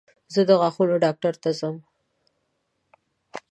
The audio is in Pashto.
زه د غاښونو ډاکټر ته ځم.